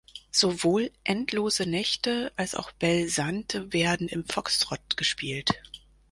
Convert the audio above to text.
Sowohl "Endlose Nächte" als auch "Bel Sante" werden im Foxtrott gespielt.